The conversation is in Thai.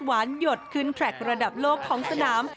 หยดขึ้นแทรกระดับโลกของสนาม